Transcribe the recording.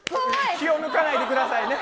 気を抜かないでくださいね。